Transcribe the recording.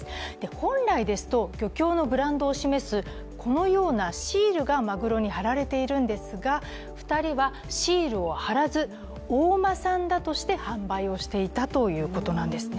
本来ですと、漁協のブランドを示すこのようなシールがまぐろに貼られているんですが２人はシールを貼らず大間産だとして販売していたということなんですね。